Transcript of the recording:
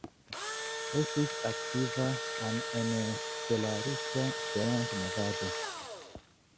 Estis aktiva ano en belarusa Esperanto-movado.